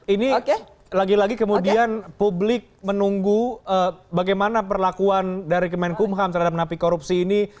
ini lagi lagi kemudian publik menunggu bagaimana perlakuan dari kemenkumham terhadap napi korupsi ini